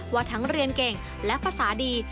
ว่าทั้งเรียนเก่งและภาษาดี